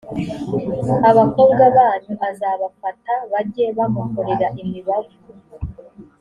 abakobwa banyu azabafata bajye bamukorera imibavu